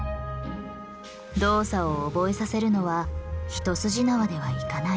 動作を覚えさせるのは一筋縄ではいかない。